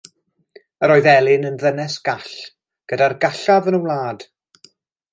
Yr oedd Elin yn ddynes gall, gyda'r gallaf yn y wlad.